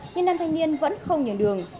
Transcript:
nhưng nam thanh niên vẫn không nhường đường